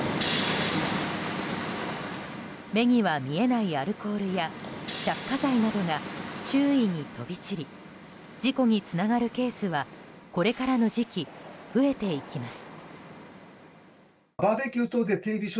目には見えないアルコールや着火剤などが周囲に飛び散り事故につながるケースはこれからの時期増えていきます。